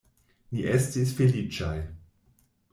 Ni estis feliĉaj.